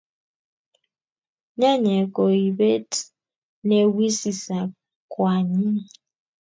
Nyanyek ko keipet ne wisis ak koanyiny